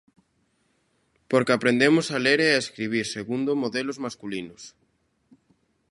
Porque aprendemos a ler e a escribir segundo modelos masculinos.